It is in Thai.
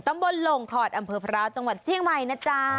ลงถอดอำเภอพร้าวจังหวัดเชียงใหม่นะจ๊ะ